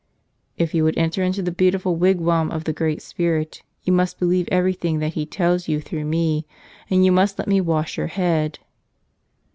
"If you would enter into the beautiful wigwam of the Great Spirit, you must believe everything that He tells you through me, and you must let me wash your head."